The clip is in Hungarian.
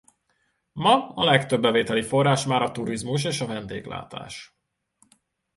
Ma a legfőbb bevételi forrás már a turizmus és a vendéglátás.